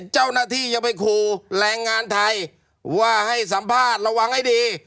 เจ้าหน้าที่ยังไปคู่แรงงานไทยว่าให้สัมภาษณ์ระวังให้ดี